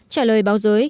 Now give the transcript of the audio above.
trả lời báo giới